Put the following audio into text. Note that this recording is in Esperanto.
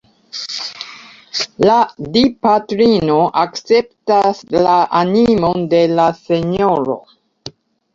La Dipatrino akceptas la animon de la senjoro.